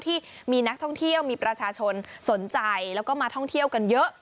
ที่มีนักท่องเที่ยวมีประชาชนสนใจแล้วก็มาท่องเที่ยวกันเยอะ